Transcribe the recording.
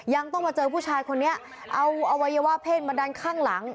ยังต้องมาเจอผู้ชายคนนี้เอาอวัยวะเพศมาดันข้างหลัง